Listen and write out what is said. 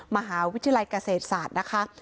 มหาวิทยาลัยเกษตรศาสตร์นะคะ